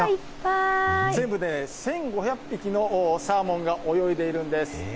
全部で１５００匹のサーモンが泳いでいるんです。